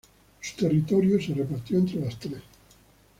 Su territorio se repartió entre las tres.